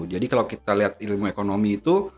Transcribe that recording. jadi kalau kita yeni lihat ilmu ekonomi itu